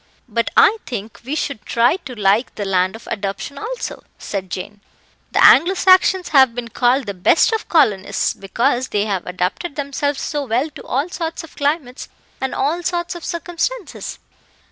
"But I think we should try to like the land of adoption also," said Jane. "The Anglo Saxons have been called the best of colonists, because they have adapted themselves so well to all sorts of climates and all sorts of circumstances."